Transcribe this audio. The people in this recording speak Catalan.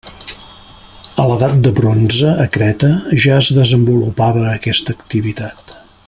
A l'edat de bronze, a Creta, ja es desenvolupava aquesta activitat.